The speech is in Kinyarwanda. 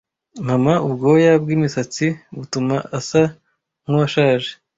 Mama, ubwoya bwimisatsi butuma usa nkuwashaje.